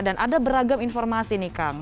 dan ada beragam informasi nih kang